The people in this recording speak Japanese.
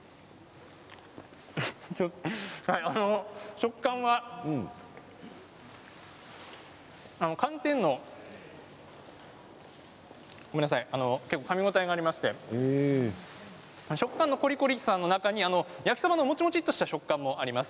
食感は寒天のかみ応えがありまして食感もコリコリさの中に焼きそばのもちもちとした食感もあります。